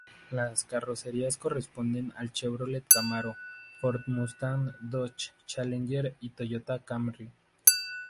Las carrocerías corresponden al Chevrolet Camaro, Ford Mustang, Dodge Challenger y Toyota Camry.